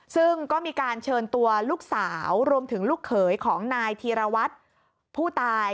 ซึ่งก็มีการเชิญตัวลูกสาวรวมถึงลูกเขยของนายธีรวัตรผู้ตาย